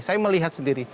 saya melihat sendiri